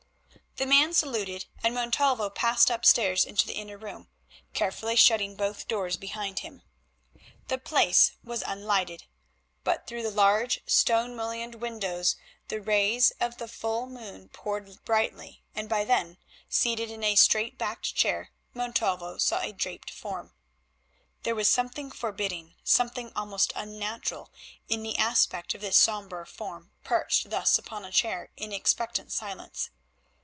The man saluted, and Montalvo passed upstairs into the inner room, carefully shutting both doors behind him. The place was unlighted, but through the large stone mullioned window the rays of the full moon poured brightly, and by them, seated in a straight backed chair, Montalvo saw a draped form. There was something forbidding, something almost unnatural, in the aspect of this sombre form perched thus upon a chair in expectant silence.